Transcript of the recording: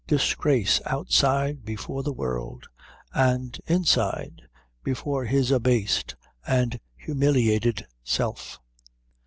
Disgrace outside before the world, and inside before his abased and humiliated self.